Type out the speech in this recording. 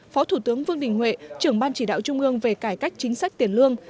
phó thủ tướng vương đình huệ trưởng ban chỉ đạo trung ương về cải cách chính sách tiền lương